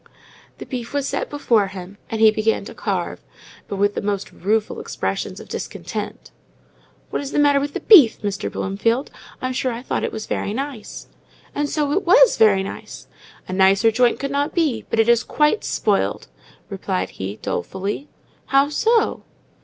The beef was set before him, and he began to carve, but with the most rueful expressions of discontent. "What is the matter with the beef, Mr. Bloomfield? I'm sure I thought it was very nice." "And so it was very nice. A nicer joint could not be; but it is quite spoiled," replied he, dolefully. "How so?"